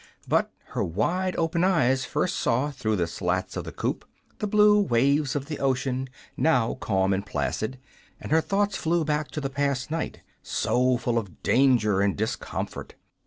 But her wide open eyes first saw, through the slats of the coop, the blue waves of the ocean, now calm and placid, and her thoughts flew back to the past night, so full of danger and discomfort.